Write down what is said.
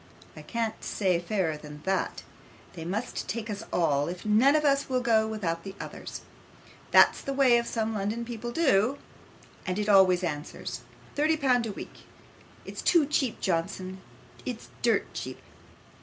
I can't say fairer than that. They must take us all, if none of us will go without the others. That's the way some of the London people do, and it always answers. Thirty pound a week it's too cheap, Johnson. It's dirt cheap.